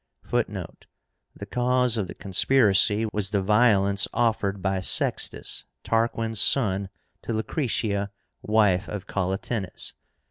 (Footnote: The cause of the conspiracy was the violence offered by Sextus, Tarquin's son, to Lucretia, wife of Collatínus.